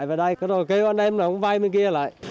về đây rồi kêu anh em ông vai bên kia lại